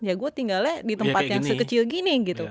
ya gue tinggalnya di tempat yang sekecil gini gitu